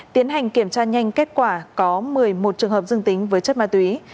tiến hành kiểm tra nhanh kết quả có một mươi một trường hợp dương tính với chất ma túy